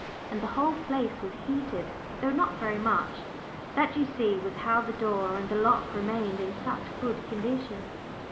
And the whole place was heated, though not very much. That, you see, was how the door and the lock remained in such good condition.